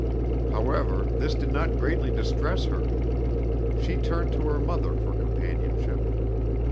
However, this did not greatly distress her. She turned to her mother for companionship.